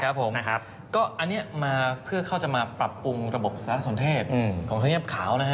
ผมก็อันนี้มาเพื่อเขาจะมาปรับปรุงระบบสารสนเทพของธรรมเนียบขาวนะฮะ